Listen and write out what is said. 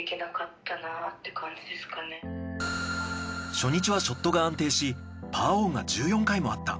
初日はショットが安定しパーオンが１４回もあった。